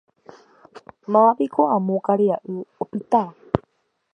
Mávapiko amo karia'y opitáva